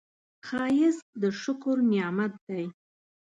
ښایست د شکر نعمت دی